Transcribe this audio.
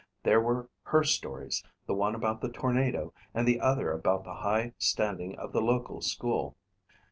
There were her stories, the one about the tornado and the other about the high standing of the local school.